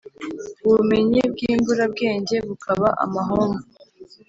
ubumenyi bw’imburabwenge bukaba amahomvu.